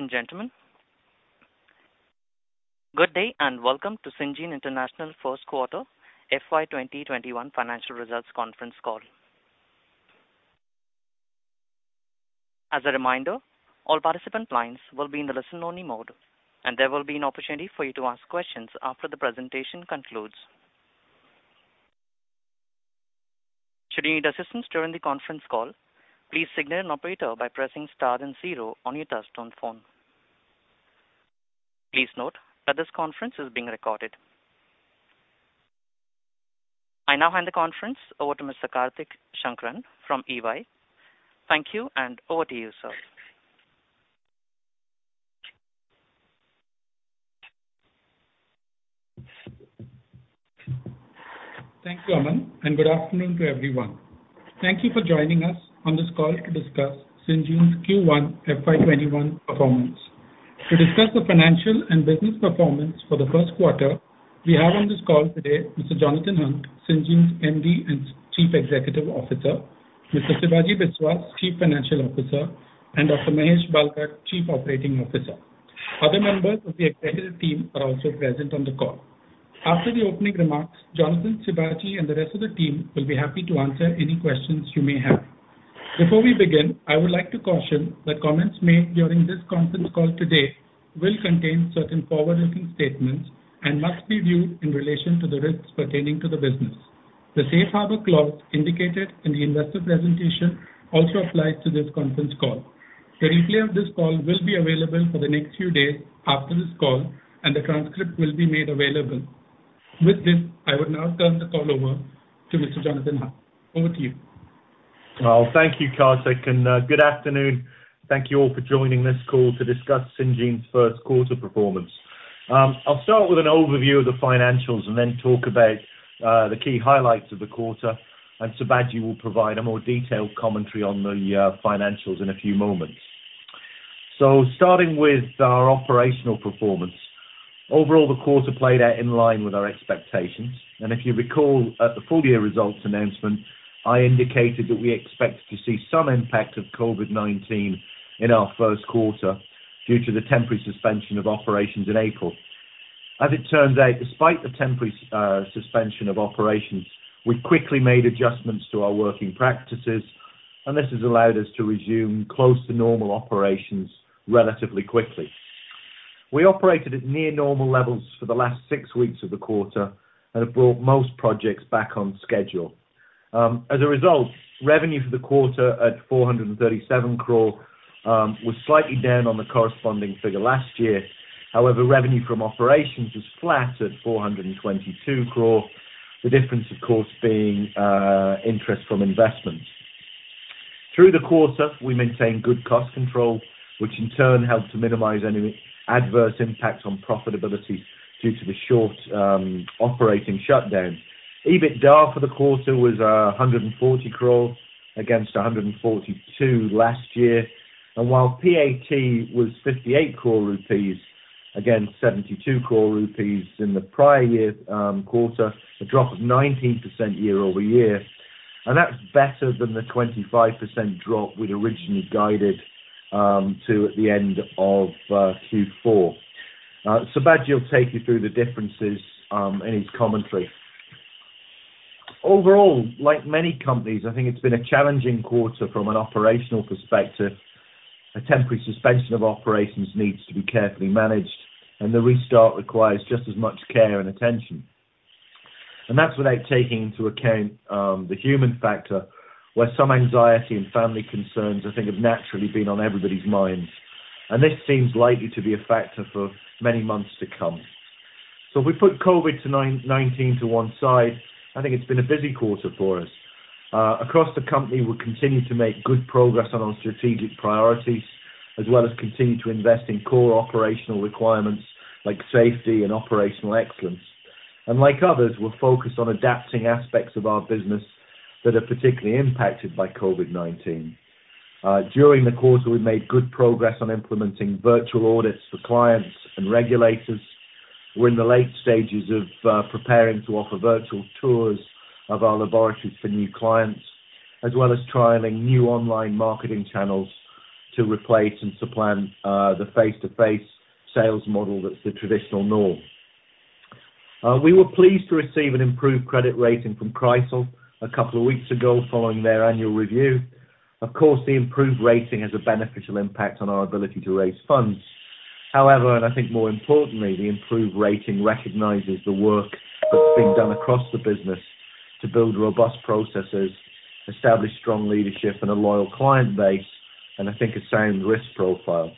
Ladies and gentlemen, good day and welcome to Syngene International first quarter FY2021 financial results conference call. As a reminder, all participant lines will be in the listen only mode, and there will be an opportunity for you to ask questions after the presentation concludes. Should you need assistance during the conference call, please signal an operator by pressing star and zero on your touch-tone phone. Please note that this conference is being recorded. I now hand the conference over to Mr. Karthik Shankaran from EY. Thank you, and over to you, sir. Thank you, Aman. Good afternoon to everyone. Thank you for joining us on this call to discuss Syngene's Q1 FY21 performance. To discuss the financial and business performance for the first quarter, we have on this call today, Mr. Jonathan Hunt, Syngene's MD and Chief Executive Officer, Mr. Sibaji Biswas, Chief Financial Officer, and Dr. Mahesh Bhalgat, Chief Operating Officer. Other members of the executive team are also present on the call. After the opening remarks, Jonathan, Sibaji, and the rest of the team will be happy to answer any questions you may have. Before we begin, I would like to caution that comments made during this conference call today will contain certain forward-looking statements and must be viewed in relation to the risks pertaining to the business. The safe harbor clause indicated in the investor presentation also applies to this conference call. The replay of this call will be available for the next few days after this call, and the transcript will be made available. With this, I would now turn the call over to Mr. Jonathan Hunt. Over to you. Well, thank you, Karthik, and good afternoon. Thank you all for joining this call to discuss Syngene's first quarter performance. I'll start with an overview of the financials and then talk about the key highlights of the quarter, and Sibaji will provide a more detailed commentary on the financials in a few moments. Starting with our operational performance. Overall, the quarter played out in line with our expectations. If you recall at the full year results announcement, I indicated that we expected to see some impact of COVID-19 in our first quarter due to the temporary suspension of operations in April. As it turns out, despite the temporary suspension of operations, we quickly made adjustments to our working practices, and this has allowed us to resume close to normal operations relatively quickly. We operated at near normal levels for the last six weeks of the quarter and have brought most projects back on schedule. Revenue for the quarter at 437 crore was slightly down on the corresponding figure last year. Revenue from operations was flat at 422 crore. The difference, of course, being interest from investments. Through the quarter, we maintained good cost control, which in turn helped to minimize any adverse impact on profitability due to the short operating shutdown. EBITDA for the quarter was 140 crore against 142 crore last year. While PAT was 58 crore rupees against 72 crore rupees in the prior year quarter, a drop of 19% year-over-year. That's better than the 25% drop we'd originally guided to at the end of Q4. Sibaji will take you through the differences in his commentary. Overall, like many companies, I think it's been a challenging quarter from an operational perspective. A temporary suspension of operations needs to be carefully managed, and the restart requires just as much care and attention. That's without taking into account the human factor, where some anxiety and family concerns, I think, have naturally been on everybody's minds. This seems likely to be a factor for many months to come. If we put COVID-19 to one side, I think it's been a busy quarter for us. Across the company, we continue to make good progress on our strategic priorities, as well as continue to invest in core operational requirements like safety and operational excellence. Like others, we're focused on adapting aspects of our business that are particularly impacted by COVID-19. During the quarter, we made good progress on implementing virtual audits for clients and regulators. We're in the late stages of preparing to offer virtual tours of our laboratories for new clients, as well as trialing new online marketing channels to replace and supplant the face-to-face sales model that's the traditional norm. We were pleased to receive an improved credit rating from CRISIL a couple of weeks ago following their annual review. Of course, the improved rating has a beneficial impact on our ability to raise funds. However, and I think more importantly, the improved rating recognizes the work that's being done across the business to build robust processes, establish strong leadership and a loyal client base, and I think a sound risk profile.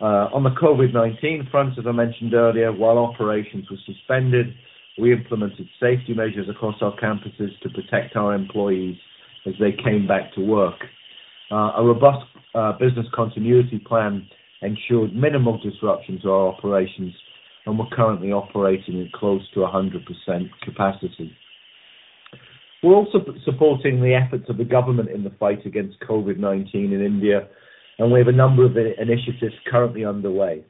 On the COVID-19 front, as I mentioned earlier, while operations were suspended, we implemented safety measures across our campuses to protect our employees as they came back to work. A robust business continuity plan ensured minimal disruption to our operations, and we're currently operating at close to 100% capacity. We're also supporting the efforts of the government in the fight against COVID-19 in India, and we have a number of initiatives currently underway.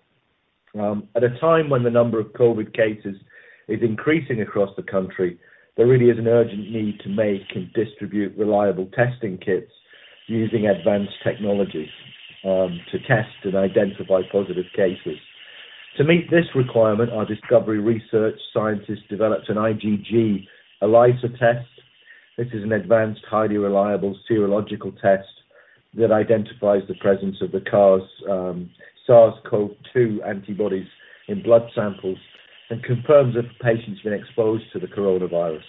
At a time when the number of COVID cases is increasing across the country, there really is an urgent need to make and distribute reliable testing kits using advanced technology to test and identify positive cases. To meet this requirement, our discovery research scientists developed an IgG ELISA test. This is an advanced, highly reliable serological test that identifies the presence of the SARS-CoV-2 antibodies in blood samples and confirms if a patient's been exposed to the coronavirus.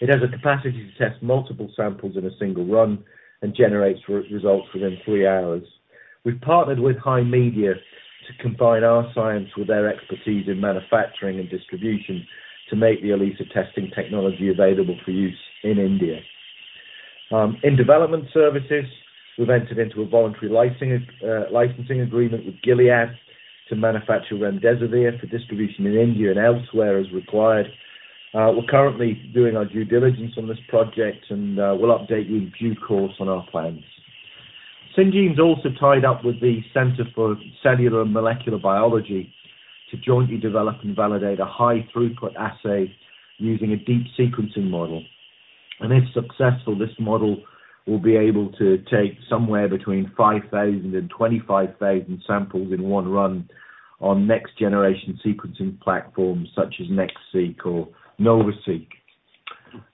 It has a capacity to test multiple samples in a single run and generates results within three hours. We've partnered with HiMedia to combine our science with their expertise in manufacturing and distribution to make the ELISA testing technology available for use in India. In Development Services, we've entered into a voluntary licensing agreement with Gilead to manufacture remdesivir for distribution in India and elsewhere as required. We're currently doing our due diligence on this project and we'll update you in due course on our plans. Syngene's also tied up with the Centre for Cellular and Molecular Biology to jointly develop and validate a high throughput assay using a deep sequencing model. If successful, this model will be able to take somewhere between 5,000 and 25,000 samples in one run on next generation sequencing platforms such as NextSeq or NovaSeq.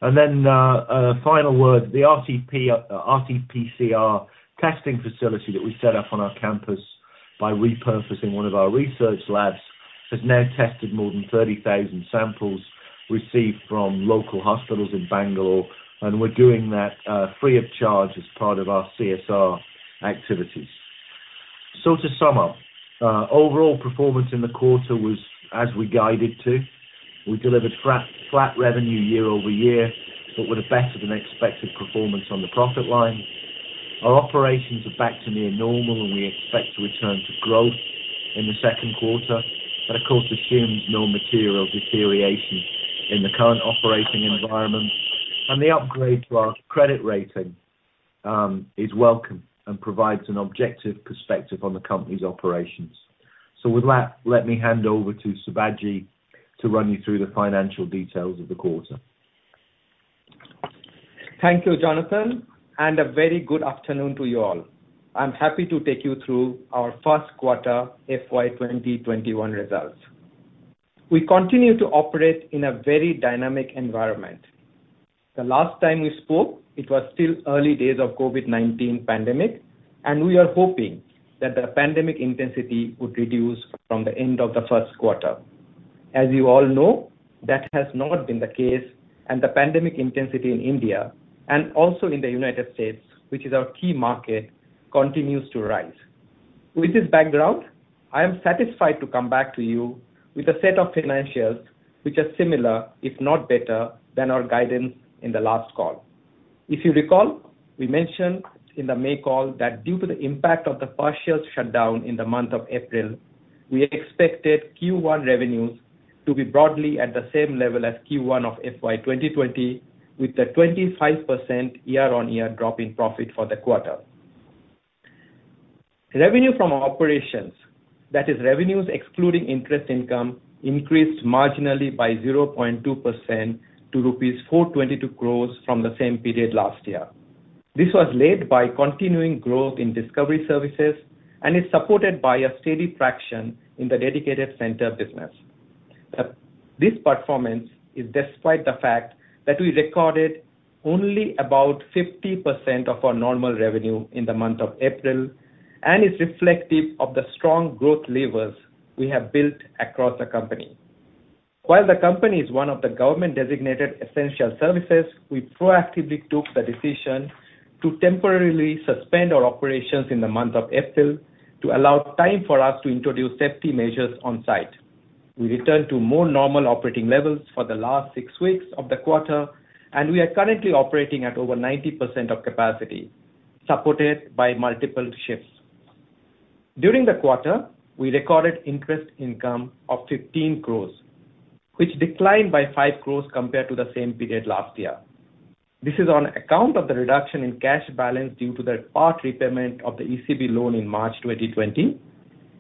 Final word, the RT-PCR testing facility that we set up on our campus by repurposing one of our research labs, has now tested more than 30,000 samples received from local hospitals in Bangalore, and we're doing that free of charge as part of our CSR activities. To sum up. Overall performance in the quarter was as we guided to. We delivered flat revenue year-over-year, with a better than expected performance on the profit line. Our operations are back to near normal, we expect to return to growth in the second quarter. That, of course, assumes no material deterioration in the current operating environment. The upgrade to our credit rating is welcome and provides an objective perspective on the company's operations. With that, let me hand over to Sibaji to run you through the financial details of the quarter. Thank you, Jonathan, and a very good afternoon to you all. I'm happy to take you through our first quarter FY 2021 results. We continue to operate in a very dynamic environment. The last time we spoke, it was still early days of COVID-19 pandemic, and we are hoping that the pandemic intensity would reduce from the end of the first quarter. As you all know, that has not been the case, and the pandemic intensity in India and also in the United States, which is our key market, continues to rise. With this background, I am satisfied to come back to you with a set of financials which are similar, if not better, than our guidance in the last call. If you recall, we mentioned in the May call that due to the impact of the partial shutdown in the month of April, we expected Q1 revenues to be broadly at the same level as Q1 of FY 2020, with a 25% year-on-year drop in profit for the quarter. Revenue from operations, that is revenues excluding interest income, increased marginally by 0.2% to 422 crores rupees from the same period last year. This was led by continuing growth in Discovery Services and is supported by a steady traction in the dedicated center business. This performance is despite the fact that we recorded only about 50% of our normal revenue in the month of April and is reflective of the strong growth levers we have built across the company. While the company is one of the government-designated essential services, we proactively took the decision to temporarily suspend our operations in the month of April to allow time for us to introduce safety measures on-site. We returned to more normal operating levels for the last six weeks of the quarter, and we are currently operating at over 90% of capacity, supported by multiple shifts. During the quarter, we recorded interest income of 15 crores, which declined by 5 crores compared to the same period last year. This is on account of the reduction in cash balance due to the part repayment of the ECB loan in March 2020,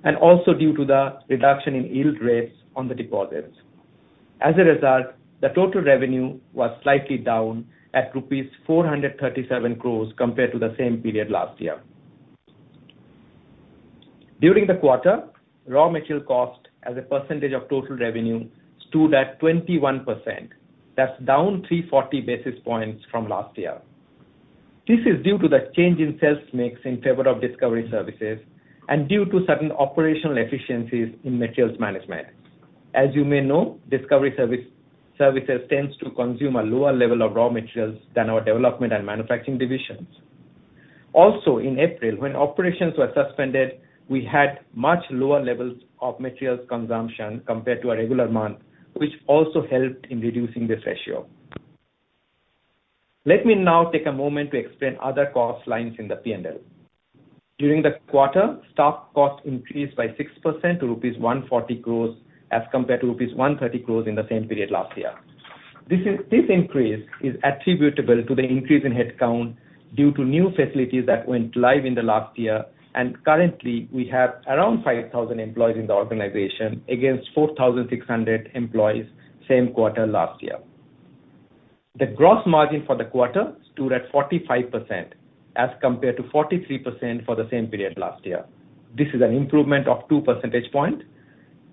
and also due to the reduction in yield rates on the deposits. As a result, the total revenue was slightly down at rupees 437 crores compared to the same period last year. During the quarter, raw material cost as a percentage of total revenue stood at 21%. That's down 340 basis points from last year. This is due to the change in sales mix in favor of Discovery Services and due to certain operational efficiencies in materials management. As you may know, Discovery Services tends to consume a lower level of raw materials than our Development Services and manufacturing divisions. In April, when operations were suspended, we had much lower levels of materials consumption compared to a regular month, which also helped in reducing this ratio. Let me now take a moment to explain other cost lines in the P&L. During the quarter, staff costs increased by 6% to rupees 140 crores as compared to rupees 130 crores in the same period last year. This increase is attributable to the increase in headcount due to new facilities that went live in the last year. Currently we have around 5,000 employees in the organization against 4,600 employees same quarter last year. The gross margin for the quarter stood at 45% as compared to 43% for the same period last year. This is an improvement of two percentage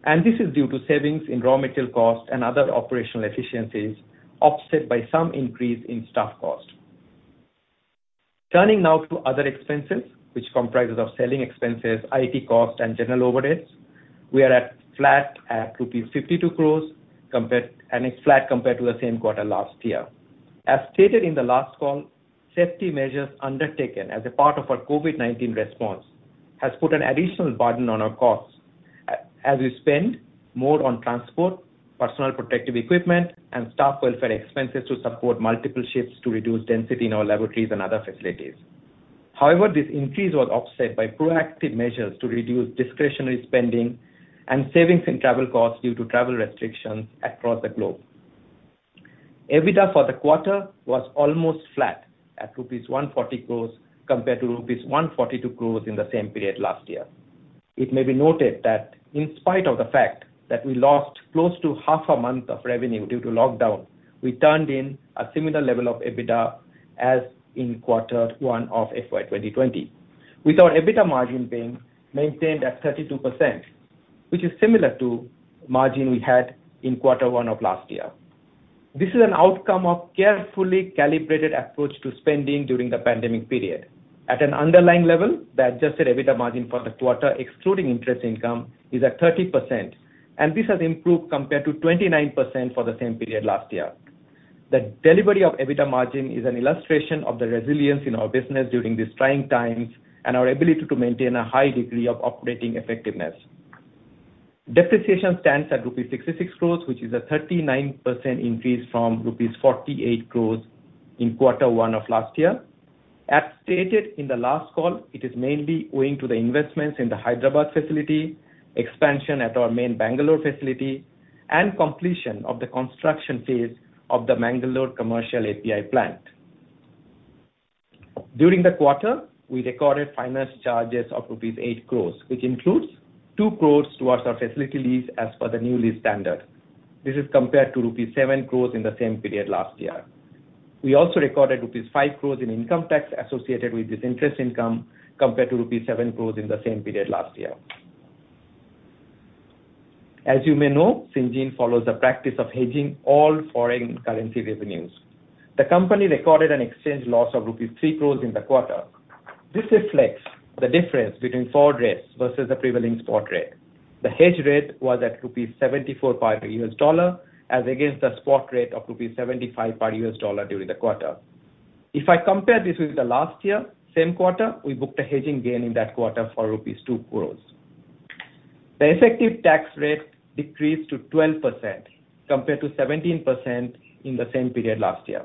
points. This is due to savings in raw material cost and other operational efficiencies, offset by some increase in staff cost. Turning now to other expenses, which comprises of selling expenses, IT cost, and general overheads. We are at flat at rupees 52 crores. It's flat compared to the same quarter last year. As stated in the last call, safety measures undertaken as a part of our COVID-19 response has put an additional burden on our costs as we spend more on transport, personal protective equipment, and staff welfare expenses to support multiple shifts to reduce density in our laboratories and other facilities. However, this increase was offset by proactive measures to reduce discretionary spending and savings in travel costs due to travel restrictions across the globe. EBITDA for the quarter was almost flat at rupees 140 crore compared to rupees 142 crore in the same period last year. It may be noted that in spite of the fact that we lost close to half a month of revenue due to lockdown, we turned in a similar level of EBITDA as in quarter one of FY 2020, with our EBITDA margin being maintained at 32%, which is similar to margin we had in quarter one of last year. This is an outcome of carefully calibrated approach to spending during the pandemic period. At an underlying level, the adjusted EBITDA margin for the quarter, excluding interest income, is at 30%, and this has improved compared to 29% for the same period last year. The delivery of EBITDA margin is an illustration of the resilience in our business during these trying times and our ability to maintain a high degree of operating effectiveness. Depreciation stands at rupees 66 crores, which is a 39% increase from rupees 48 crores in quarter one of last year. As stated in the last call, it is mainly owing to the investments in the Hyderabad facility, expansion at our main Bangalore facility, and completion of the construction phase of the Mangalore commercial API plant. During the quarter, we recorded finance charges of rupees 8 crores, which includes 2 crores towards our facility lease as per the new lease standard. This is compared to rupees 7 crores in the same period last year. We also recorded rupees 5 crores in income tax associated with this interest income, compared to rupees 7 crores in the same period last year. As you may know, Syngene follows a practice of hedging all foreign currency revenues. The company recorded an exchange loss of rupees 3 crores in the quarter. This reflects the difference between forward rates versus the prevailing spot rate. The hedge rate was at rupees 74 per US dollar as against the spot rate of rupees 75 per US dollar during the quarter. If I compare this with the last year same quarter, we booked a hedging gain in that quarter for rupees 2 crores. The effective tax rate decreased to 12% compared to 17% in the same period last year.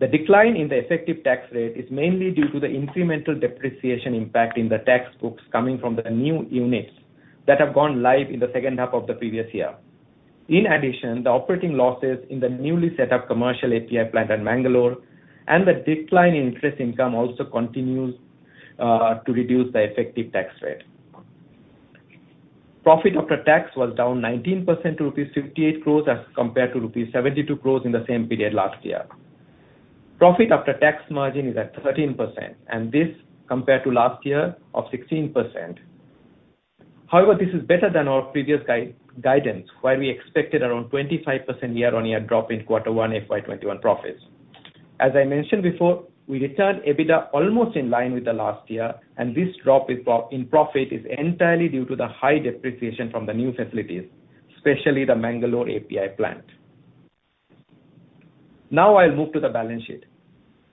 The decline in the effective tax rate is mainly due to the incremental depreciation impact in the tax books coming from the new units that have gone live in the second half of the previous year. In addition, the operating losses in the newly set-up commercial API plant at Mangalore and the decline in interest income also continues to reduce the effective tax rate. Profit after tax was down 19% to rupees 58 crores as compared to rupees 72 crores in the same period last year. Profit after tax margin is at 13%. This compared to last year of 16%. However, this is better than our previous guidance, where we expected around 25% year-on-year drop in quarter one FY 2021 profits. As I mentioned before, we returned EBITDA almost in line with the last year. This drop in profit is entirely due to the high depreciation from the new facilities, especially the Mangalore API plant. Now I'll move to the balance sheet.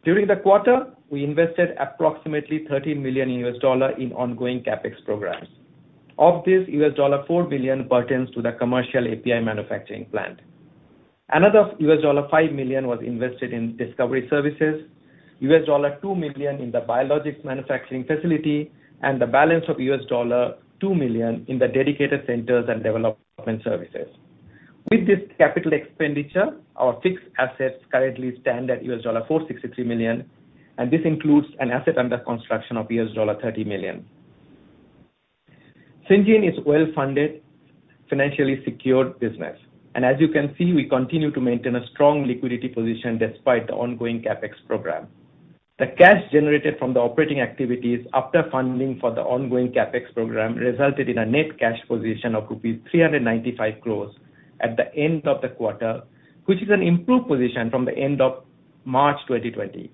During the quarter, we invested approximately $30 million in ongoing CapEx programs. Of this, US$4 million pertains to the commercial API manufacturing plant. Another US$5 million was invested in Discovery Services, US$2 million in the biologics manufacturing facility, and the balance of US$2 million in the dedicated centers and Development Services. With this capital expenditure, our fixed assets currently stand at US$463 million, and this includes an asset under construction of US$30 million. Syngene is well-funded, financially secured business, and as you can see, we continue to maintain a strong liquidity position despite the ongoing CapEx program. The cash generated from the operating activities after funding for the ongoing CapEx program resulted in a net cash position of rupees 395 crores at the end of the quarter, which is an improved position from the end of March 2020.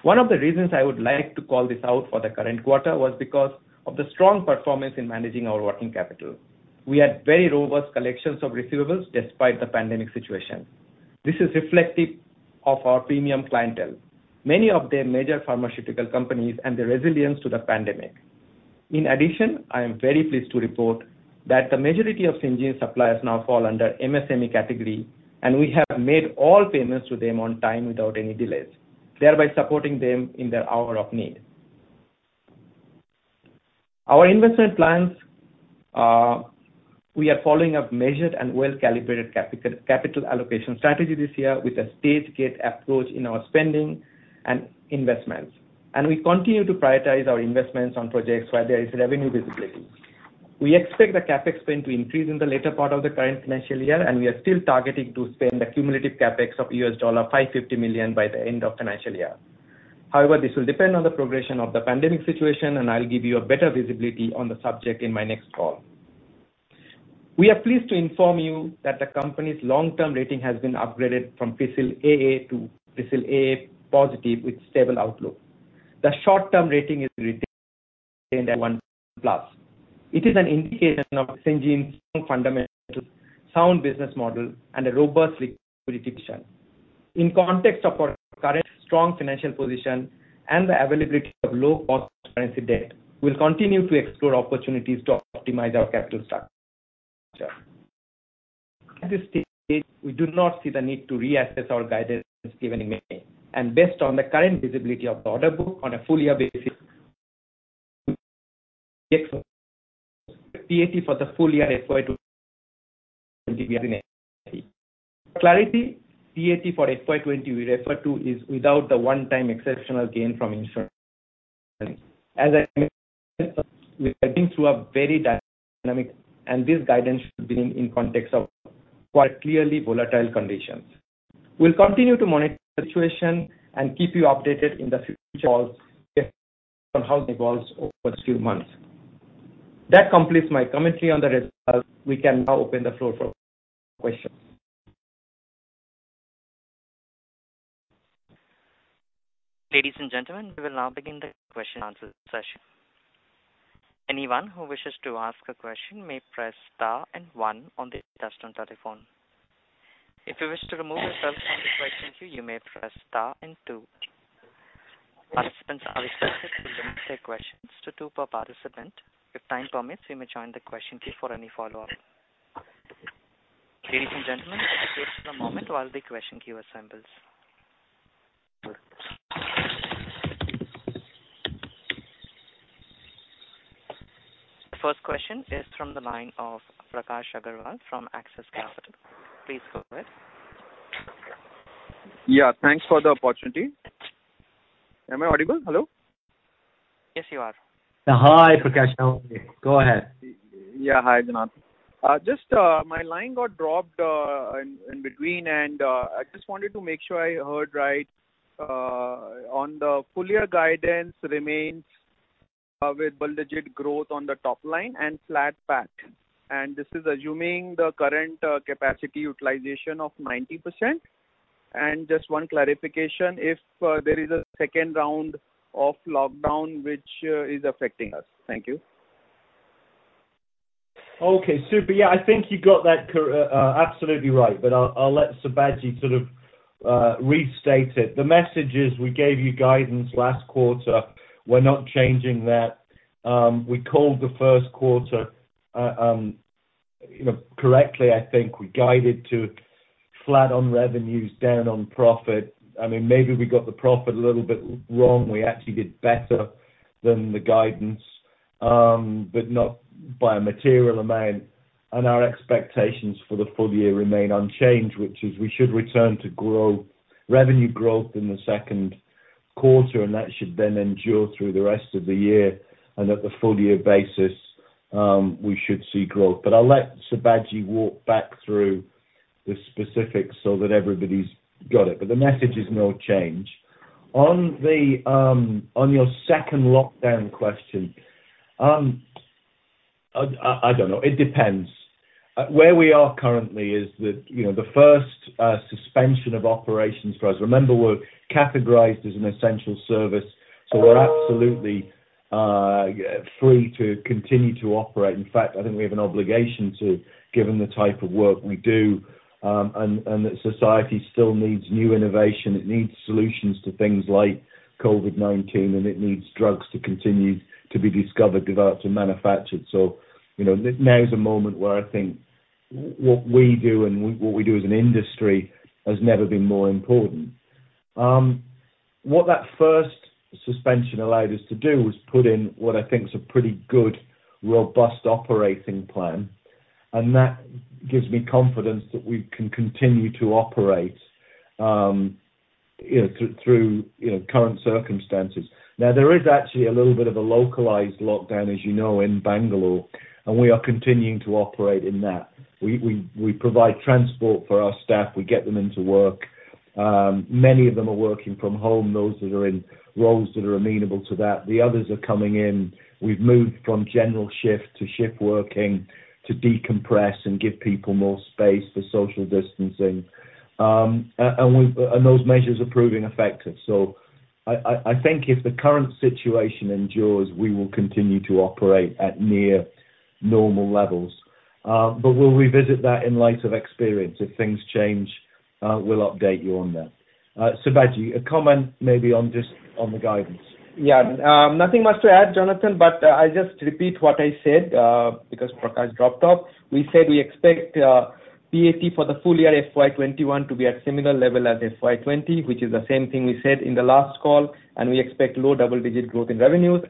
One of the reasons I would like to call this out for the current quarter was because of the strong performance in managing our working capital. We had very robust collections of receivables despite the pandemic situation. This is reflective of our premium clientele, many of them major pharmaceutical companies, and their resilience to the pandemic. In addition, I am very pleased to report that the majority of Syngene suppliers now fall under MSME category, and we have made all payments to them on time without any delays, thereby supporting them in their hour of need. Our investment plans, we are following up measured and well-calibrated capital allocation strategy this year with a stage gate approach in our spending and investments. We continue to prioritize our investments on projects where there is revenue visibility. We expect the CapEx spend to increase in the later part of the current financial year, and we are still targeting to spend a cumulative CapEx of US$550 million by the end of financial year. However, this will depend on the progression of the pandemic situation, and I'll give you a better visibility on the subject in my next call. We are pleased to inform you that the company's long-term rating has been upgraded from ICRA AA+ to ICRA AA+ (Stable). The short-term rating is retained at A1+. It is an indication of Syngene's strong fundamentals, sound business model, and a robust risk prediction. In context of our current strong financial position and the availability of low-cost currency debt, we'll continue to explore opportunities to optimize our capital structure. At this stage, we do not see the need to reassess our guidance given in May. Based on the current visibility of the order book on a full year basis, we expect PAT for the full year FY 2020 to be as guided. For clarity, PAT for FY20 we refer to is without the one-time exceptional gain from insurance. As I mentioned, we are getting through a very dynamic, and this guidance should be in context of quite clearly volatile conditions. We'll continue to monitor the situation and keep you updated in the future calls based on how that evolves over the next few months. That completes my commentary on the results. We can now open the floor for questions. Ladies and gentlemen, we will now begin the question and answer session. Anyone who wishes to ask a question may press star and one on their touchtone telephone. If you wish to remove yourself from the question queue, you may press star and two. Participants are expected to limit their questions to two per participant. If time permits, you may join the question queue for any follow-up. Ladies and gentlemen, please hold one moment while the question queue assembles. The first question is from the line of Prakash Agarwal from Axis Capital. Please go ahead. Yeah. Thanks for the opportunity. Am I audible? Hello? Yes, you are. Hi, Prakash. Go ahead. Yeah. Hi, Jonathan. Just my line got dropped in between, and I just wanted to make sure I heard right. On the full year guidance remains with double-digit growth on the top line and flat PAT, and this is assuming the current capacity utilization of 90%. Just one clarification, if there is a second round of lockdown which is affecting us. Thank you. Okay. Super. Yeah. I think you got that absolutely right. I'll let Sibaji sort of restate it. The message is we gave you guidance last quarter. We're not changing that. We called the first quarter correctly, I think. We guided to flat on revenues, down on profit. Maybe we got the profit a little bit wrong. We actually did better than the guidance, but not by a material amount. Our expectations for the full year remain unchanged, which is we should return to revenue growth in the second quarter, and that should then endure through the rest of the year. At the full year basis, we should see growth. I'll let Sibaji walk back through the specifics so that everybody's got it. The message is no change. On your second lockdown question, I don't know. It depends. Where we are currently is the first suspension of operations for us. Remember, we're categorized as an essential service, we're absolutely free to continue to operate. In fact, I think we have an obligation to, given the type of work we do, and that society still needs new innovation. It needs solutions to things like COVID-19, it needs drugs to continue to be discovered, developed, and manufactured. Now is a moment where I think what we do and what we do as an industry has never been more important. What that first suspension allowed us to do was put in what I think is a pretty good, robust operating plan, that gives me confidence that we can continue to operate through current circumstances. Now, there is actually a little bit of a localized lockdown, as you know, in Bangalore, and we are continuing to operate in that. We provide transport for our staff. We get them into work. Many of them are working from home, those that are in roles that are amenable to that. The others are coming in. We've moved from general shift to shift working to decompress and give people more space for social distancing. Those measures are proving effective. I think if the current situation endures, we will continue to operate at near normal levels. We'll revisit that in light of experience if things change. We'll update you on that. Sibaji Biswas, a comment maybe just on the guidance. Nothing much to add, Jonathan, but I'll just repeat what I said, because Prakash dropped off. We said we expect PAT for the full year FY21 to be at similar level as FY20, which is the same thing we said in the last call, and we expect low double-digit growth in revenues.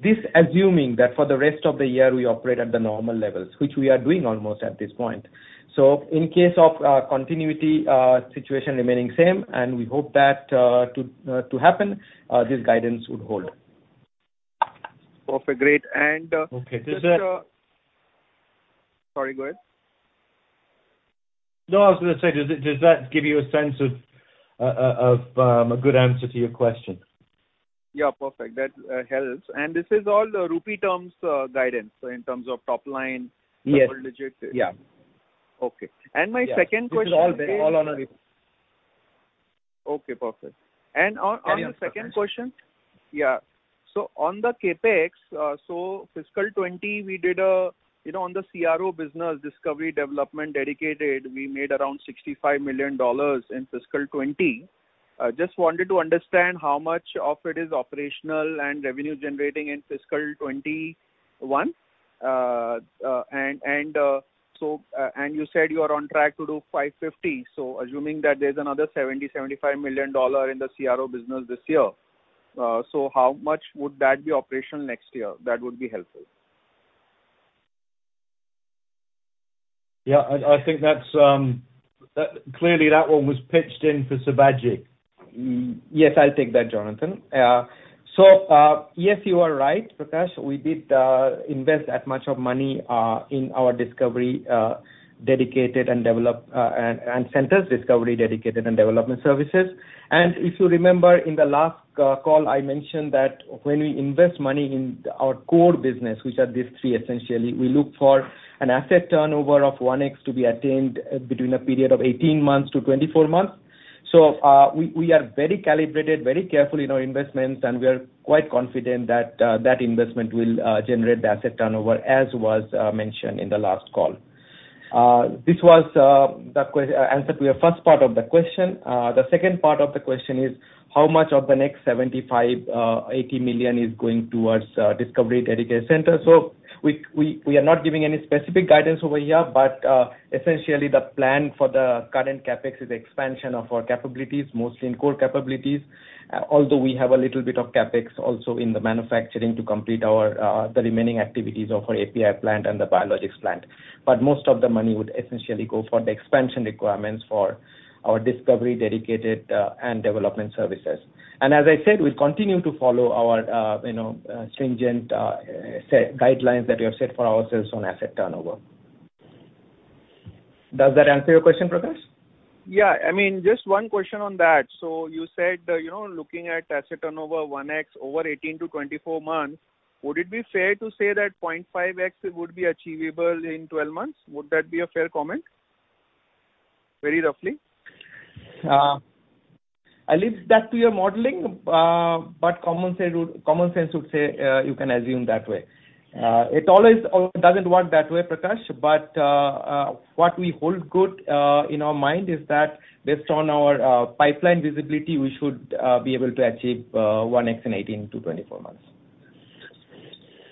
This assuming that for the rest of the year, we operate at the normal levels, which we are doing almost at this point. In case of continuity situation remaining same, and we hope that to happen, this guidance would hold. Perfect. Great. Okay. Sorry, go ahead. No, I was going to say, does that give you a sense of a good answer to your question? Yeah. Perfect. That helps. This is all the INR terms guidance in terms of top line. Yes double digits. Yeah. Okay. My second question is. This is all on a rupee. Okay, perfect. On the second question. On the CapEx, FY 2020, on the CRO business, Discovery Services, Development Services dedicated, we made around $65 million in FY 2020. Just wanted to understand how much of it is operational and revenue generating in FY 2021. You said you are on track to do $550 million, assuming that there's another $70 million-$75 million in the CRO business this year. How much would that be operational next year? That would be helpful. Yeah. Clearly, that one was pitched in for Sibaji Biswas. I'll take that, Jonathan. Yes, you are right, Prakash. We did invest that much of money in our Discovery Services and Development Services. If you remember in the last call, I mentioned that when we invest money in our core business, which are these three essentially, we look for an asset turnover of 1X to be attained between a period of 18 months to 24 months. We are very calibrated, very careful in our investments, and we are quite confident that that investment will generate the asset turnover as was mentioned in the last call. This was the answer to your first part of the question. The second part of the question is how much of the next 75 million-80 million is going towards Discovery Services center. We are not giving any specific guidance over here. Essentially, the plan for the current CapEx is expansion of our capabilities, mostly in core capabilities. Although we have a little bit of CapEx also in the manufacturing to complete the remaining activities of our API plant and the biologics plant. Most of the money would essentially go for the expansion requirements for our Discovery Services dedicated and Development Services. As I said, we'll continue to follow our stringent guidelines that we have set for ourselves on asset turnover. Does that answer your question, Prakash? Just one question on that. You said looking at asset turnover 1X over 18-24 months, would it be fair to say that 0.5X would be achievable in 12 months? Would that be a fair comment? Very roughly. I leave that to your modeling, but common sense would say you can assume that way. It always doesn't work that way, Prakash, but what we hold good in our mind is that based on our pipeline visibility, we should be able to achieve 1X in 18-24 months.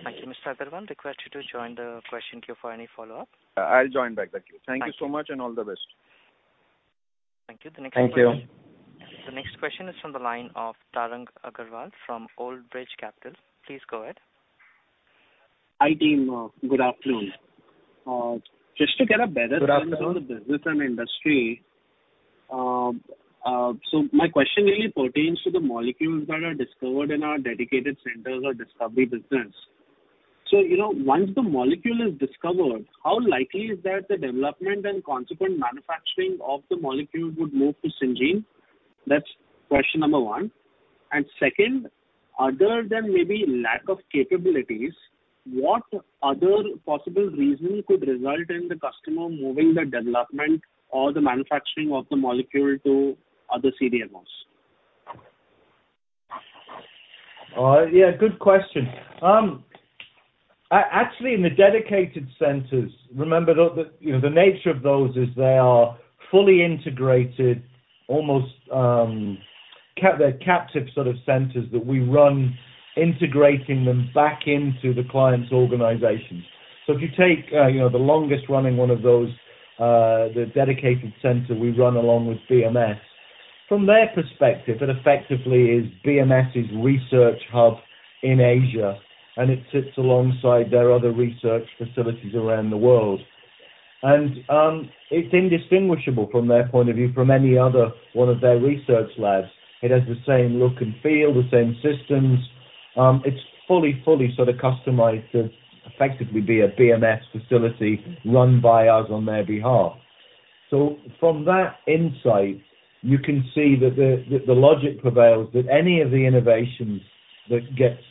Thank you, Mr. Agarwal. Request you to join the question queue for any follow-up. I'll join back. Thank you. Thank you. Thank you so much, and all the best. Thank you. Thank you. The next question is from the line of Tarang Agarwal from Old Bridge Capital. Please go ahead. Hi, team. Good afternoon. Good afternoon. My question really pertains to the molecules that are discovered in our dedicated centers or Discovery Services. Once the molecule is discovered, how likely is that the development and consequent manufacturing of the molecule would move to Syngene? That's question number one. Second, other than maybe lack of capabilities, what other possible reason could result in the customer moving the development or the manufacturing of the molecule to other CDMOs? Yeah, good question. Actually, in the dedicated centers, remember, the nature of those is they are fully integrated, almost captive sort of centers that we run integrating them back into the client's organization. If you take the longest-running one of those, the dedicated center we run along with BMS, from their perspective, it effectively is BMS' research hub in Asia, and it sits alongside their other research facilities around the world. It's indistinguishable from their point of view from any other one of their research labs. It has the same look and feel, the same systems. It's fully customized to effectively be a BMS facility run by us on their behalf. From that insight, you can see that the logic prevails that any of the innovations that gets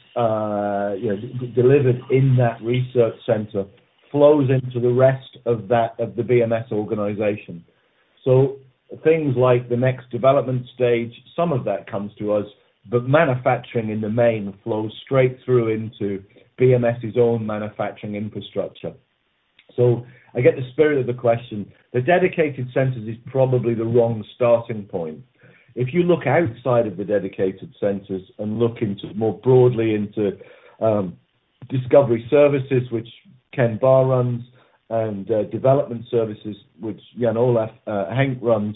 delivered in that research center flows into the rest of the BMS organization. Things like the next development stage, some of that comes to us, but manufacturing in the main flows straight through into BMS' own manufacturing infrastructure. I get the spirit of the question. The dedicated centers is probably the wrong starting point. If you look outside of the dedicated centers and look more broadly into Discovery Services, which Ken Barr runs, and Development Services, which Jan-Olav Henck runs,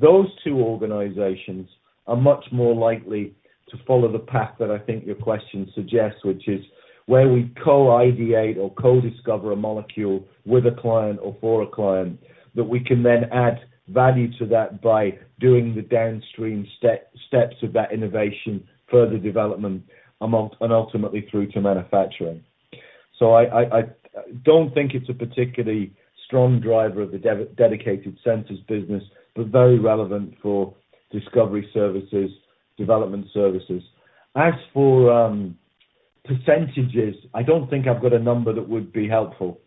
those two organizations are much more likely to follow the path that I think your question suggests, which is where we co-ideate or co-discover a molecule with a client or for a client that we can then add value to that by doing the downstream steps of that innovation, further development, and ultimately through to manufacturing. I don't think it's a particularly strong driver of the dedicated centers business, but very relevant for Discovery Services, Development Services. As for percentages, I don't think I've got a number that would be helpful,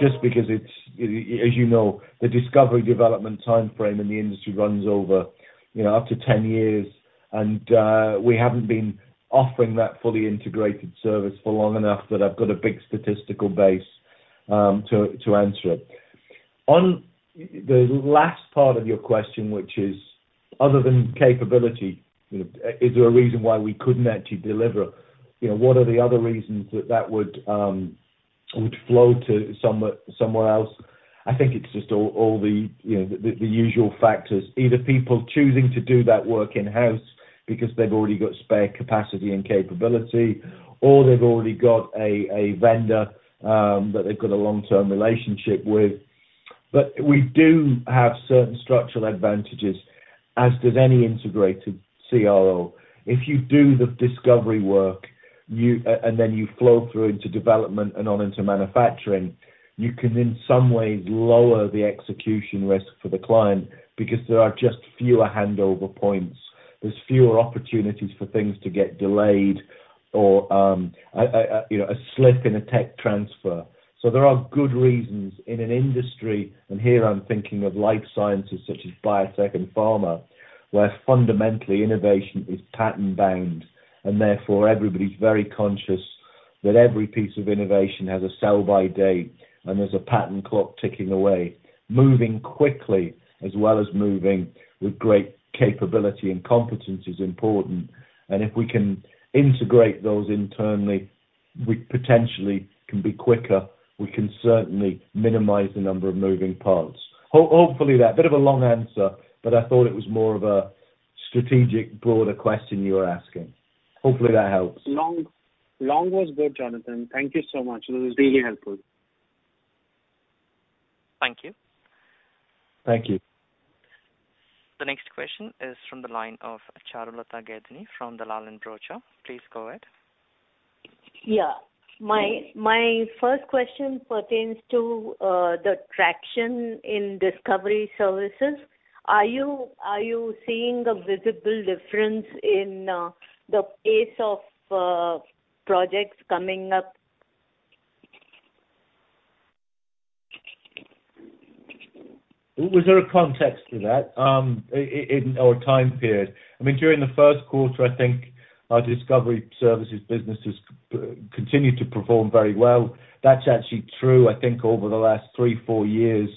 just because it's, as you know, the discovery development timeframe in the industry runs over up to 10 years, and we haven't been offering that fully integrated service for long enough that I've got a big statistical base to answer it. On the last part of your question, which is other than capability, is there a reason why we couldn't actually deliver it? What are the other reasons that would flow to somewhere else? I think it's just all the usual factors. Either people choosing to do that work in-house because they've already got spare capacity and capability, or they've already got a vendor that they've got a long-term relationship with. We do have certain structural advantages, as does any integrated CRO. If you do the discovery work, and then you flow through into development and on into manufacturing, you can, in some ways, lower the execution risk for the client because there are just fewer handover points. There's fewer opportunities for things to get delayed or a slip in a tech transfer. There are good reasons in an industry, and here I'm thinking of life sciences such as biotech and pharma, where fundamentally innovation is patent-bound, and therefore everybody's very conscious that every piece of innovation has a sell-by date, and there's a patent clock ticking away. Moving quickly as well as moving with great capability and competence is important. If we can integrate those internally, we potentially can be quicker. We can certainly minimize the number of moving parts. Bit of a long answer, but I thought it was more of a strategic, broader question you were asking. Hopefully that helps. Long was good, Jonathan. Thank you so much. This is really helpful. Thank you. Thank you. The next question is from the line of Charulata Gaidhani from Dalal & Broacha. Please go ahead. My first question pertains to the traction in Discovery Services. Are you seeing a visible difference in the pace of projects coming up? Was there a context to that or a time period? During the first quarter, I think our Discovery Services business has continued to perform very well. That's actually true. I think over the last three, four years,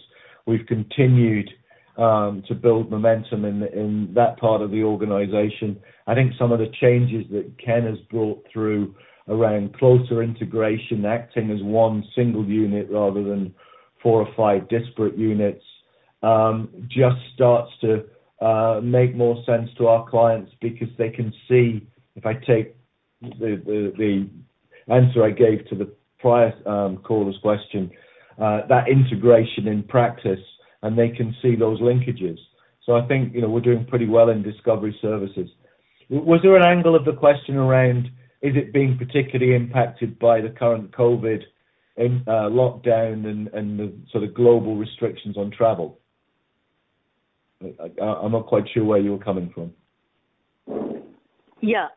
we've continued to build momentum in that part of the organization. I think some of the changes that Ken has brought through around closer integration, acting as one single unit rather than four or five disparate units, just starts to make more sense to our clients because they can see, if I take the answer I gave to the prior caller's question, that integration in practice, and they can see those linkages. I think we're doing pretty well in Discovery Services. Was there an angle of the question around is it being particularly impacted by the current COVID-19 lockdown and the sort of global restrictions on travel? I'm not quite sure where you were coming from. Yeah.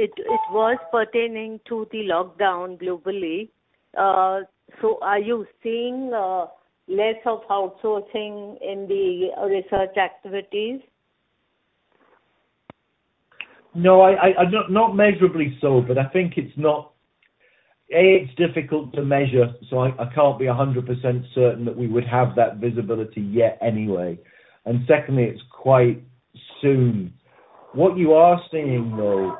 It was pertaining to the lockdown globally. Are you seeing less of outsourcing in the research activities? No, not measurably so. It's difficult to measure, so I can't be 100% certain that we would have that visibility yet anyway. Secondly, it's quite soon. What you are seeing, though,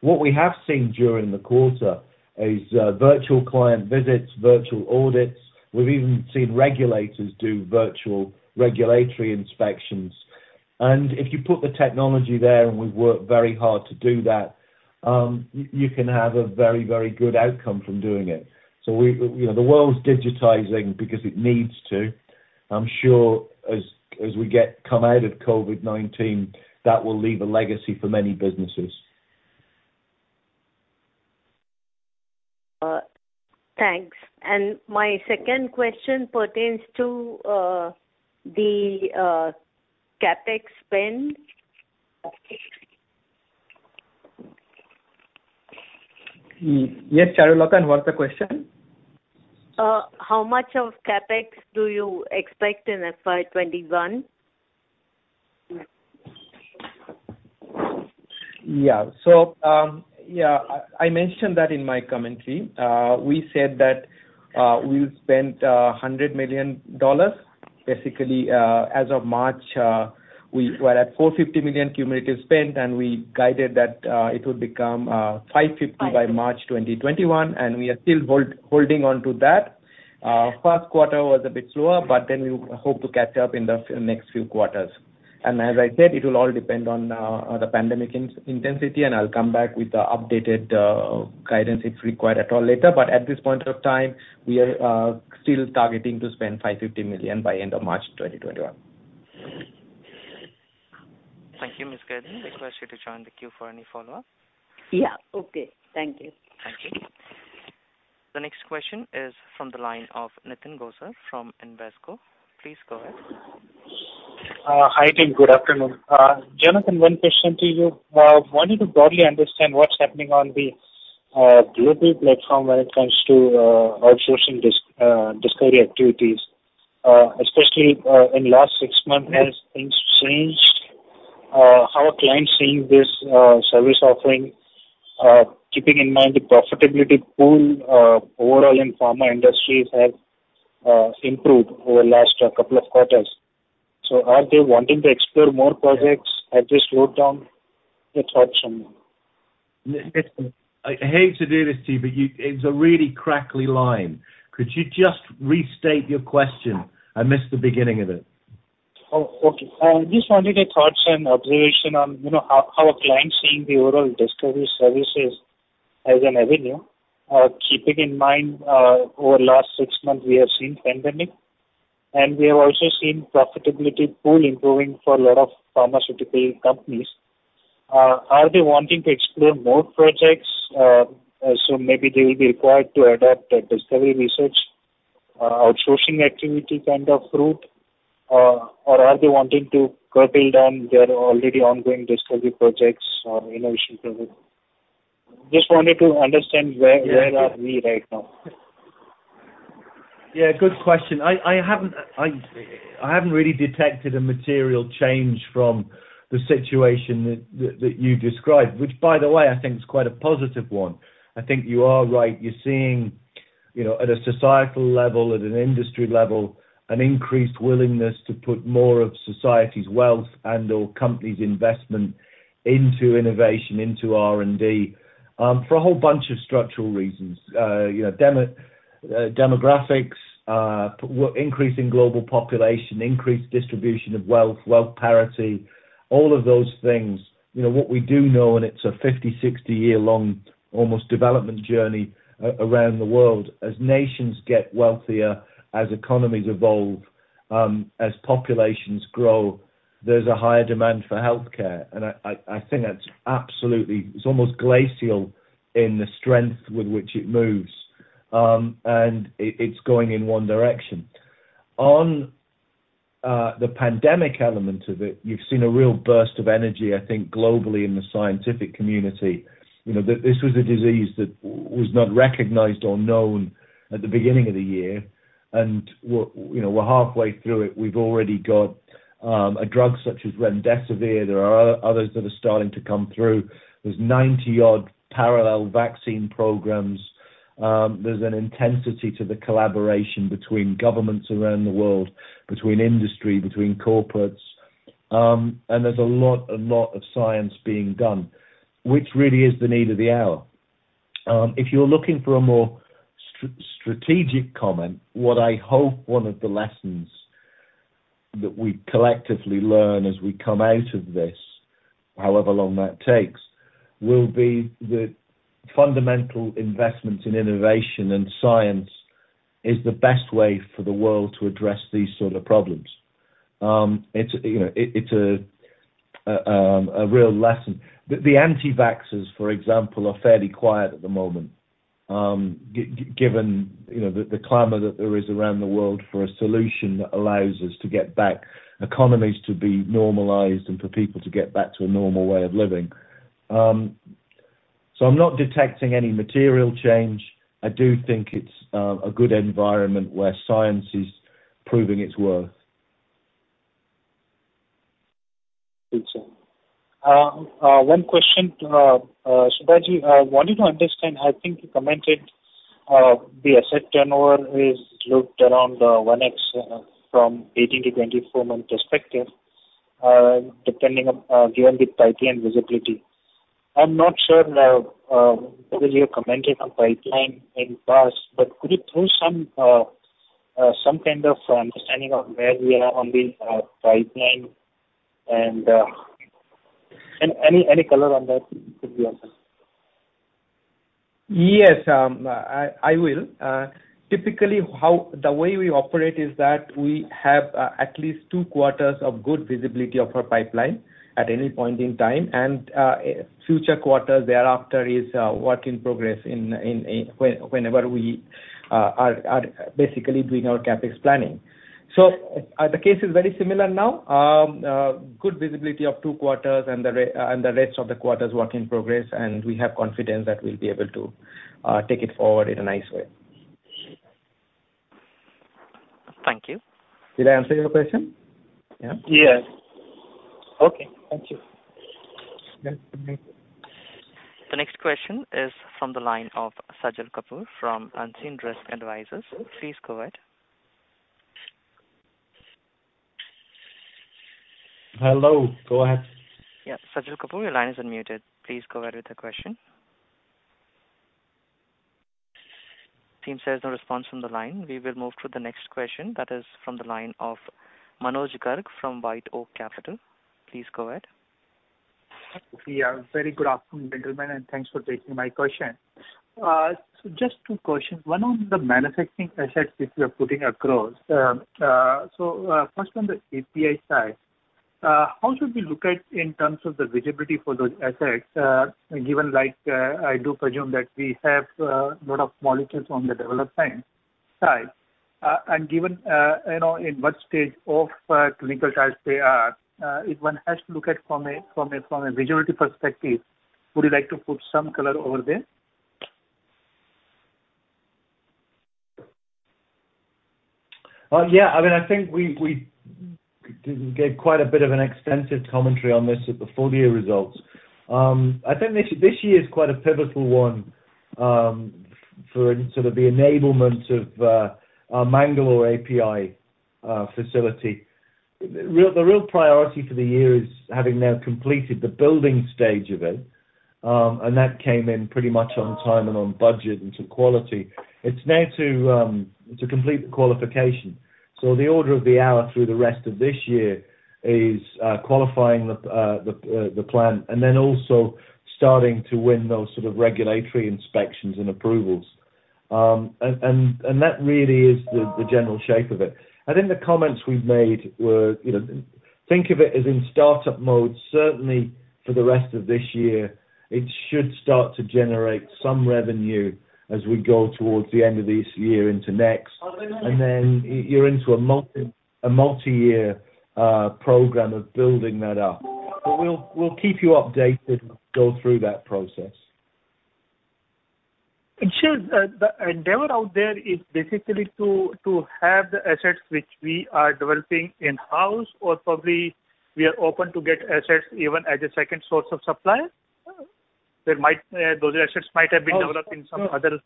What we have seen during the quarter is virtual client visits, virtual audits. We've even seen regulators do virtual regulatory inspections. If you put the technology there, and we've worked very hard to do that, you can have a very good outcome from doing it. The world's digitizing because it needs to. I'm sure as we come out of COVID-19, that will leave a legacy for many businesses. Thanks. My second question pertains to the CapEx spend. Yes, Charulata, and what's the question? How much of CapEx do you expect in FY 2021? Yeah. I mentioned that in my commentary. We said that we would spend INR 100 million. As of March, we were at 450 million cumulative spend, and we guided that it would become 550 million by March 2021, and we are still holding on to that. First quarter was a bit slower. We hope to catch up in the next few quarters. As I said, it will all depend on the pandemic intensity, and I'll come back with the updated guidance if required at all later. At this point of time, we are still to spend 550 million by end of March 2021. Thank you. Ms. Okay. Thank you. Thank you. The next question is from the line of Nitin Gosar from Invesco. Please go ahead. Hi, team. Good afternoon. Jonathan, one question to you. Wanting to broadly understand what's happening on the global platform when it comes to outsourcing discovery activities, especially in last six months. Has things changed? How are clients seeing this service offering keeping in mind the profitability pool overall in pharma industries has improved over the last couple of quarters. Are they wanting to explore more projects at this slowdown? Your thoughts on that. Nitin, I hate to do this to you, but it's a really crackly line. Could you just restate your question? I missed the beginning of it. Okay. Just wanted your thoughts and observation on how are clients seeing the overall Discovery Services as an avenue keeping in mind over the last six months we have seen pandemic, and we have also seen profitability pool improving for a lot of pharmaceutical companies. Are they wanting to explore more projects, so maybe they will be required to adopt a discovery research outsourcing activity kind of route? Or are they wanting to curtail down their already ongoing discovery projects or innovation projects? Just wanted to understand where are we right now. Yeah, good question. I haven't really detected a material change from the situation that you described, which by the way, I think is quite a positive one. I think you are right. You're seeing at a societal level, at an industry level, an increased willingness to put more of society's wealth and/or companies' investment into innovation, into R&D for a whole bunch of structural reasons. Demographics, increasing global population, increased distribution of wealth parity, all of those things. What we do know, it's a 50, 60-year-long almost development journey around the world. As nations get wealthier, as economies evolve, as populations grow, there's a higher demand for healthcare. I think that's absolutely. It's almost glacial in the strength with which it moves. It's going in one direction. On the pandemic element of it, you've seen a real burst of energy, I think, globally in the scientific community. This was a disease that was not recognized or known at the beginning of the year. We're halfway through it. We've already got a drug such as remdesivir. There are others that are starting to come through. There's 90-odd parallel vaccine programs. There's an intensity to the collaboration between governments around the world, between industry, between corporates. There's a lot of science being done, which really is the need of the hour. If you're looking for a more strategic comment, what I hope one of the lessons that we collectively learn as we come out of this, however long that takes, will be that fundamental investments in innovation and science is the best way for the world to address these sort of problems. It's a real lesson. The anti-vaxxers, for example, are fairly quiet at the moment given the clamor that there is around the world for a solution that allows us to get back economies to be normalized and for people to get back to a normal way of living. I'm not detecting any material change. I do think it's a good environment where science is proving its worth. Good, sir. One question to Sibaji. Wanted to understand, I think you commented. The asset turnover is looked around 1x from 18 to 24-month perspective, given with pipeline visibility. I'm not sure now, whether you commented on pipeline in past, but could you throw some kind of understanding of where we are on the pipeline, and any color on that would be helpful. Yes. I will. Typically, the way we operate is that we have at least two quarters of good visibility of our pipeline at any point in time, and future quarters thereafter is work in progress whenever we are basically doing our CapEx planning. The case is very similar now. Good visibility of two quarters and the rest of the quarters work in progress, and we have confidence that we'll be able to take it forward in a nice way. Thank you. Did I answer your question? Yeah? Yes. Okay. Thank you. Yes, thank you. The next question is from the line of Sajal Kapoor from Unseen Risk Advisors. Please go ahead. Hello. Go ahead. Yeah. Sajal Kapoor, your line is unmuted. Please go ahead with the question. Seems there's no response from the line. We will move to the next question that is from the line of Manoj Garg from White Oak Capital. Please go ahead. Very good afternoon, gentlemen, and thanks for taking my question. Just two questions. One on the manufacturing assets which you are putting across. First on the API side, how should we look at in terms of the visibility for those assets, given I do presume that we have a lot of molecules on the development side. Given in what stage of clinical trials they are, if one has to look at from a visibility perspective, would you like to put some color over there? Yeah. I think we gave quite a bit of an extensive commentary on this at the full-year results. I think this year is quite a pivotal one for sort of the enablement of our Mangalore API facility. The real priority for the year is having now completed the building stage of it, and that came in pretty much on time and on budget into quality. It's now to complete the qualification. The order of the hour through the rest of this year is qualifying the plant and then also starting to win those sort of regulatory inspections and approvals. That really is the general shape of it. I think the comments we've made were, think of it as in startup mode, certainly for the rest of this year. It should start to generate some revenue as we go towards the end of this year into next. Then you're into a multi-year program of building that up. We'll keep you updated as we go through that process. It shows the endeavor out there is basically to have the assets which we are developing in-house or probably we are open to get assets even as a second source of supply. Those assets might have been developed in some other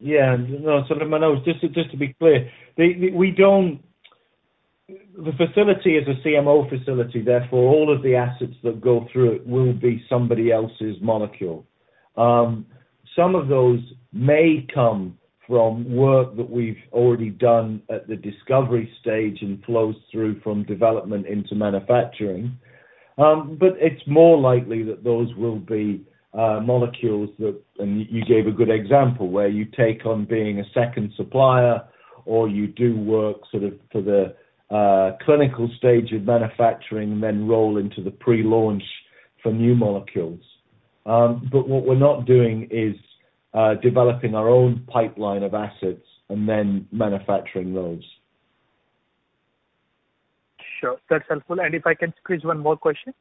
Yeah. No, Manoj, just to be clear, the facility is a CMO facility, therefore, all of the assets that go through it will be somebody else's molecule. Some of those may come from work that we've already done at the discovery stage and flows through from development into manufacturing. It's more likely that those will be molecules that, and you gave a good example, where you take on being a second supplier or you do work sort of for the clinical stage of manufacturing and then roll into the pre-launch for new molecules. What we're not doing is developing our own pipeline of assets and then manufacturing those. Sure. That's helpful. If I can squeeze one more question,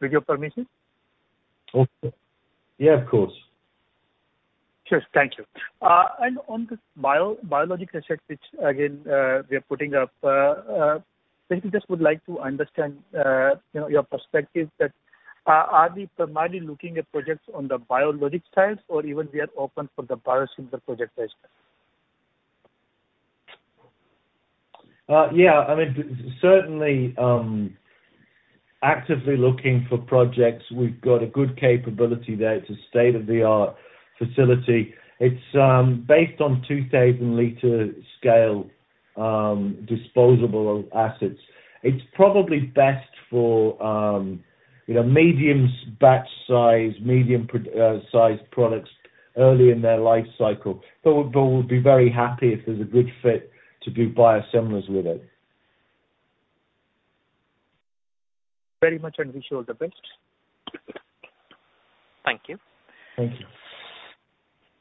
with your permission? Yeah. Of course. Sure. Thank you. On the biologic assets, which again, we are putting up, basically just would like to understand your perspective that are we primarily looking at projects on the biologic side or even we are open for the biosimilar project as well? Yeah. Certainly, actively looking for projects. We've got a good capability there. It's a state-of-the-art facility. It's based on 2,000-liter scale disposable assets. It's probably best for medium batch size, medium sized products early in their life cycle. We'll be very happy if there's a good fit to do biosimilars with it. Very much, and wish you all the best. Thank you. Thank you.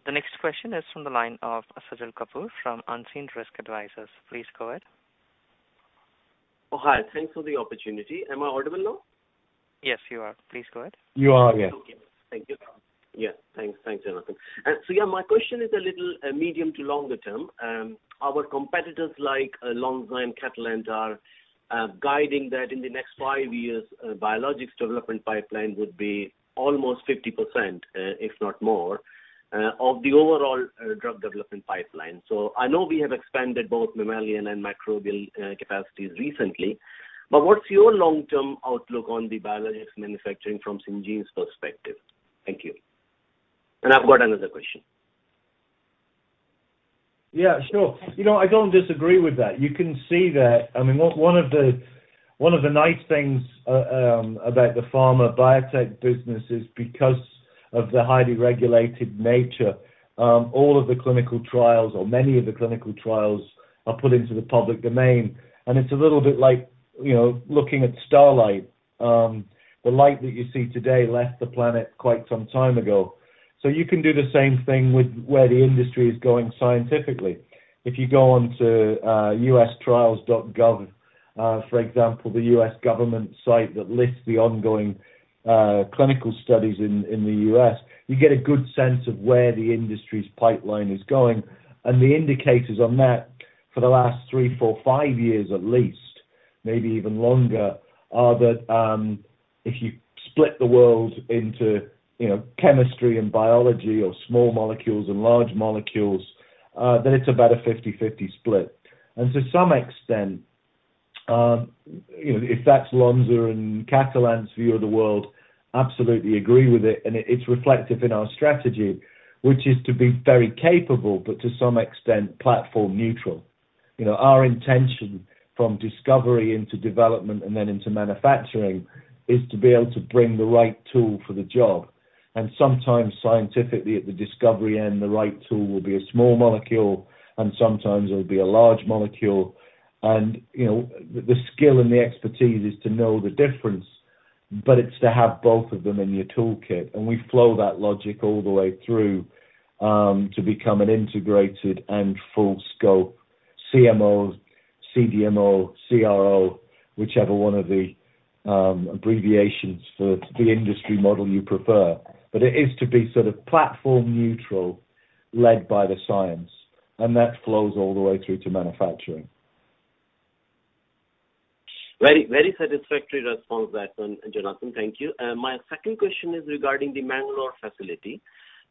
The next question is from the line of Sajal Kapoor from Unseen Risk Advisors. Please go ahead. Oh, hi. Thanks for the opportunity. Am I audible now? Yes, you are. Please go ahead. You are, yeah. Okay. Thank you. Yeah, thanks, Jonathan. Yeah, my question is a little medium to longer term. Our competitors like Lonza and Catalent are guiding that in the next five years, biologics development pipeline would be almost 50%, if not more, of the overall drug development pipeline. I know we have expanded both mammalian and microbial capacities recently, but what's your long-term outlook on the biologics manufacturing from Syngene's perspective? Thank you. I've got another question. Yeah, sure. I don't disagree with that. You can see that one of the nice things about the pharma biotech business is because of the highly regulated nature, all of the clinical trials or many of the clinical trials are put into the public domain, and it's a little bit like looking at starlight. The light that you see today left the planet quite some time ago. You can do the same thing with where the industry is going scientifically. If you go onto ClinicalTrials.gov, for example, the U.S. government site that lists the ongoing clinical studies in the U.S., you get a good sense of where the industry's pipeline is going. The indicators on that for the last three, four, five years at least, maybe even longer, are that if you split the world into chemistry and biology or small molecules and large molecules, then it's about a 50/50 split. To some extent, if that's Lonza and Catalent's view of the world, absolutely agree with it, and it's reflective in our strategy, which is to be very capable, but to some extent, platform neutral. Our intention from discovery into development and then into manufacturing is to be able to bring the right tool for the job. Sometimes scientifically at the discovery end, the right tool will be a small molecule, and sometimes it'll be a large molecule. The skill and the expertise is to know the difference, but it's to have both of them in your toolkit. We flow that logic all the way through to become an integrated and full-scope CMO, CDMO, CRO, whichever one of the abbreviations for the industry model you prefer. It is to be sort of platform neutral, led by the science, and that flows all the way through to manufacturing. Very satisfactory response on that one, Jonathan. Thank you. My second question is regarding the Mangalore facility.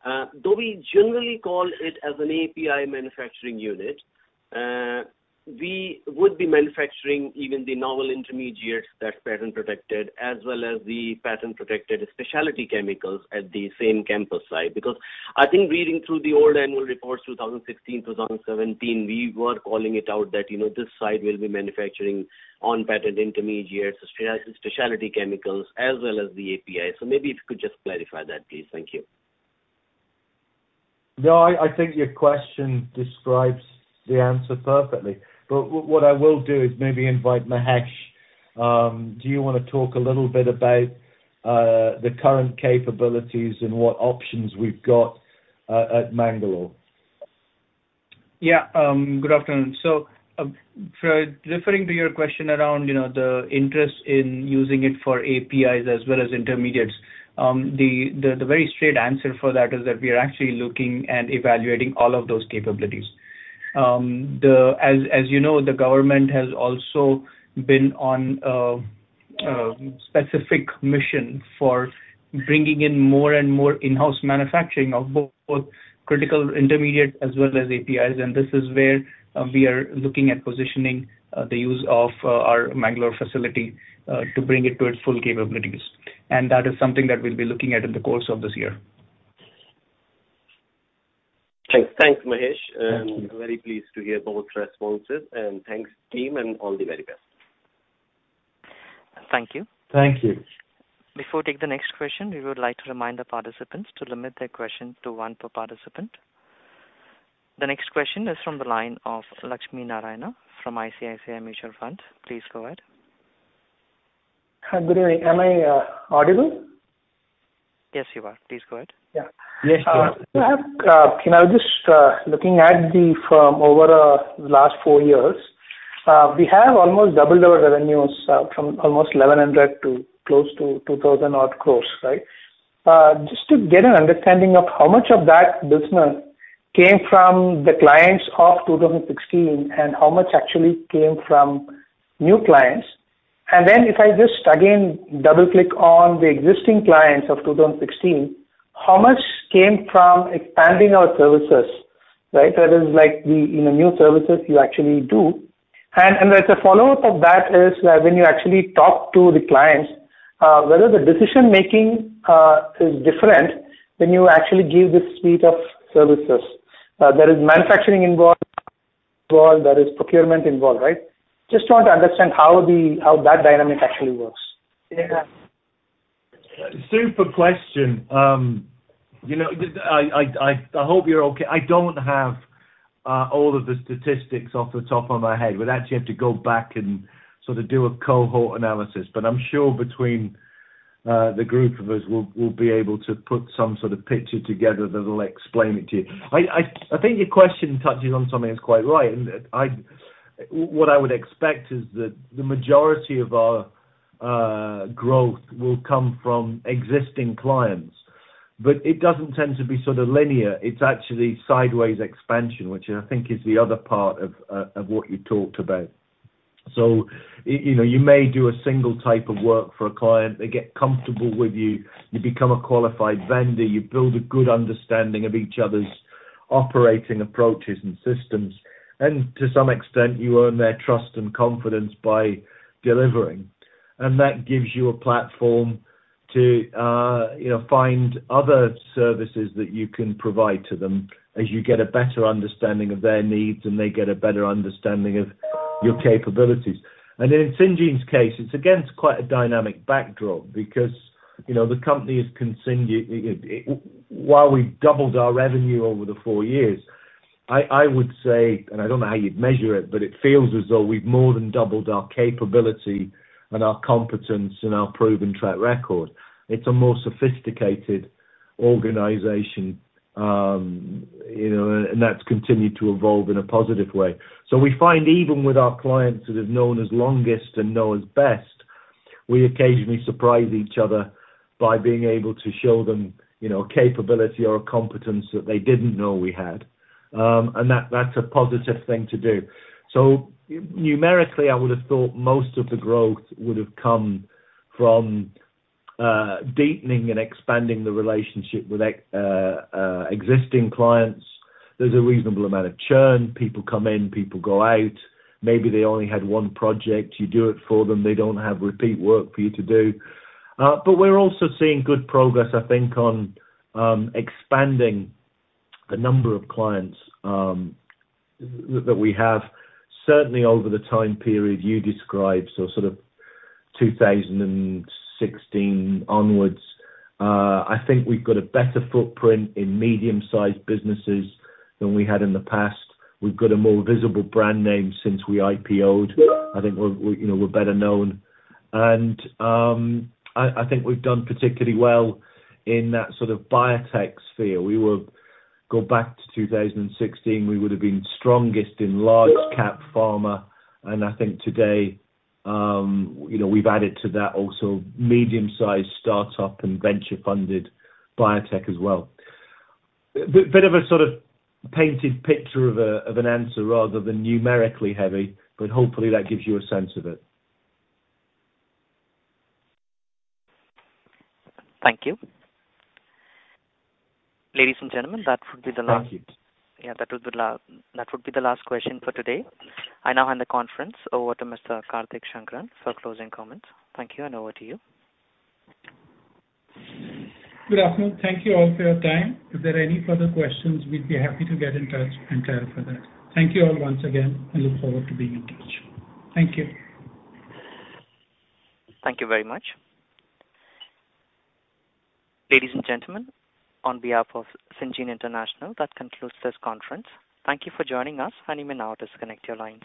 Do we generally call it as an API manufacturing unit? We would be manufacturing even the novel intermediates that's patent protected, as well as the patent protected specialty chemicals at the same campus site. Because I think reading through the old annual reports, 2016, 2017, we were calling it out that this site will be manufacturing on-patent intermediates, specialty chemicals, as well as the API. Maybe if you could just clarify that, please. Thank you. I think your question describes the answer perfectly. What I will do is maybe invite Mahesh. Do you want to talk a little bit about the current capabilities and what options we've got at Mangalore? Yeah. Good afternoon. Referring to your question around the interest in using it for APIs as well as intermediates. The very straight answer for that is that we are actually looking and evaluating all of those capabilities. As you know, the government has also been on a specific mission for bringing in more and more in-house manufacturing of both critical intermediate as well as APIs. This is where we are looking at positioning the use of our Mangalore facility to bring it to its full capabilities, and that is something that we'll be looking at in the course of this year. Thanks, Mahesh. Thank you. I'm very pleased to hear both responses. Thanks, team, and all the very best. Thank you. Thank you. Before take the next question, we would like to remind the participants to limit their question to one per participant. The next question is from the line of [Laxmi Narayan] from ICICI Mutual Fund. Please go ahead. Hi, good evening. Am I audible? Yes, you are. Please go ahead. Yes, you are. Yeah. I was just looking at the firm over the last four years. We have almost doubled our revenues from almost 1,100 to close to 2,000 odd crores, right? Just to get an understanding of how much of that business came from the clients of 2016 and how much actually came from new clients. If I just again double-click on the existing clients of 2016, how much came from expanding our services, right? That is, like the new services you actually do. As a follow-up of that is when you actually talk to the clients, whether the decision-making is different when you actually give this suite of services. There is manufacturing involved, there is procurement involved, right? Just want to understand how that dynamic actually works. Super question. I hope you're okay. I don't have all of the statistics off the top of my head. We'd actually have to go back and sort of do a cohort analysis, but I'm sure between the group of us will be able to put some sort of picture together that'll explain it to you. I think your question touches on something that's quite right. What I would expect is that the majority of our growth will come from existing clients. It doesn't tend to be sort of linear. It's actually sideways expansion, which I think is the other part of what you talked about. You may do a single type of work for a client. They get comfortable with you become a qualified vendor. You build a good understanding of each other's operating approaches and systems, and to some extent, you earn their trust and confidence by delivering. That gives you a platform to find other services that you can provide to them as you get a better understanding of their needs and they get a better understanding of your capabilities. In Syngene's case, it's again, quite a dynamic backdrop because the company is continuing. While we've doubled our revenue over the four years, I would say, and I don't know how you'd measure it, but it feels as though we've more than doubled our capability and our competence and our proven track record. It's a more sophisticated organization, and that's continued to evolve in a positive way. We find even with our clients that have known us longest and know us best, we occasionally surprise each other by being able to show them a capability or a competence that they didn't know we had. That's a positive thing to do. Numerically, I would've thought most of the growth would've come from deepening and expanding the relationship with existing clients. There's a reasonable amount of churn. People come in, people go out. Maybe they only had one project. You do it for them. They don't have repeat work for you to do. We're also seeing good progress, I think, on expanding the number of clients that we have. Certainly over the time period you described, sort of 2016 onwards, I think we've got a better footprint in medium-sized businesses than we had in the past. We've got a more visible brand name since we IPO'd. I think we're better known, and I think we've done particularly well in that sort of biotech sphere. Go back to 2016, we would've been strongest in large cap pharma, and I think today we've added to that also medium-sized startup and venture-funded biotech as well. A bit of a sort of painted picture of an answer rather than numerically heavy, but hopefully that gives you a sense of it. Thank you. Ladies and gentlemen, that would be the last. Thank you. Yeah, that would be the last question for today. I now hand the conference over to Mr. Karthik Shankaran for closing comments. Thank you, and over to you. Good afternoon. Thank you all for your time. If there are any further questions, we'd be happy to get in touch and clarify that. Thank you all once again and look forward to being in touch. Thank you. Thank you very much. Ladies and gentlemen, on behalf of Syngene International, that concludes this conference. Thank you for joining us, and you may now disconnect your lines.